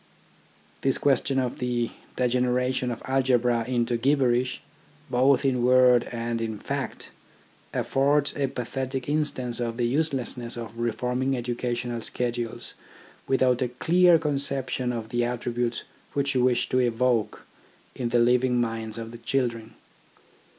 This question of the degeneration of algebra into gibberish, both in word and in fact, affords a pathetic instance of the uselessness of reforming educational schedules without a clear conception of the attributes which you wish to evoke in the living minds of the children.